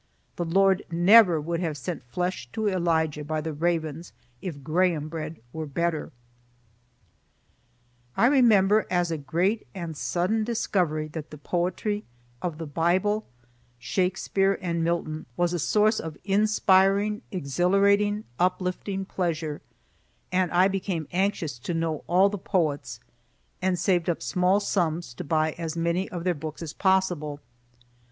The Lord never would have sent flesh to Elijah by the ravens if graham bread were better. I remember as a great and sudden discovery that the poetry of the Bible, Shakespeare, and Milton was a source of inspiring, exhilarating, uplifting pleasure; and I became anxious to know all the poets, and saved up small sums to buy as many of their books as possible.